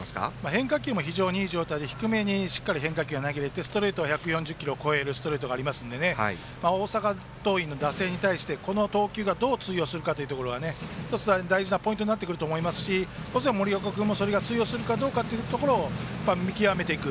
変化球もしっかり低めに投げられて１４０キロを超えるストレートがあるので大阪桐蔭の打線に対してこの投球がどう通用するかが大事なポイントになってくると思いますし、森岡君もそれが通用するかどうかを見極めていく。